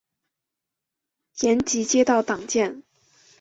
延吉街道党建